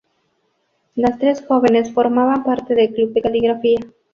Las tres jóvenes formaban parte del club de caligrafía.